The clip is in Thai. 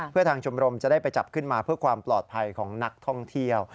เพื่อทางชมรมจะได้ไปจับขึ้นมาเพื่อความปลอดภัยของนักท่องเที่ยว